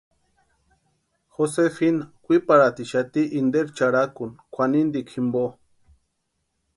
Josefina kwiparhatixati interi charakuni kwʼanintikwa jimpo.